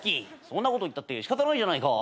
「そんなこと言ったって仕方ないじゃないか」ＯＫ！